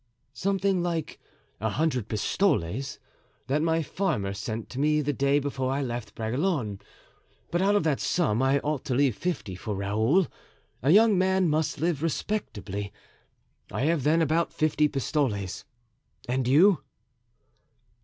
"Something like a hundred pistoles, that my farmer sent to me the day before I left Bragelonne; but out of that sum I ought to leave fifty for Raoul—a young man must live respectably. I have then about fifty pistoles. And you?"